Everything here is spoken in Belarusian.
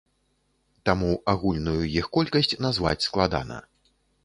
Таму агульную іх колькасць назваць складана.